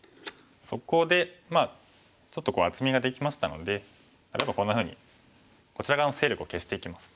そこでまあちょっと厚みができましたので例えばこんなふうにこちら側の勢力を消していきます。